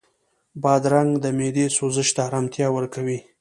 بادرنګ د معدې سوزش ته ارامتیا ورکوي.